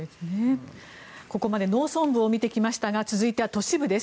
ここまで農村部を見てきましたが続いては都市部です。